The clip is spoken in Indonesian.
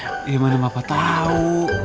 gimana bapak tahu